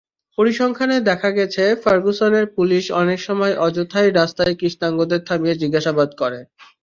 পরিসংখ্যানে দেখা গেছে, ফার্গুসনের পুলিশ অনেক সময় অযথাই রাস্তায় কৃষ্ণাঙ্গদের থামিয়ে জিজ্ঞাসাবাদ করে।